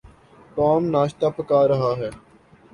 Tom ناشتہ پکھا رہا ہے۔